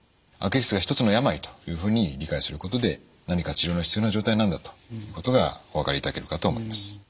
悪液質がひとつの病というふうに理解することで何か治療の必要な状態なんだということがお分かりいただけるかと思います。